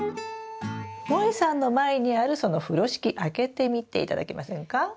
もえさんの前にあるその風呂敷開けてみて頂けませんか？